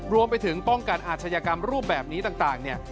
รวมไปถึงป้องกันอาชญากรรมรูปแบบนี้ต่างเนี่ย